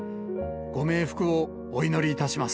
ご冥福をお祈りいたします。